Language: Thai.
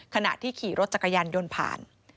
ขณะที่ขี่รถจักรยานยนต์ผ่าน